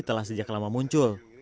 telah sejak lama muncul